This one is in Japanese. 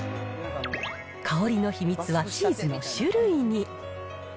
香りの秘密はチーズの種類に。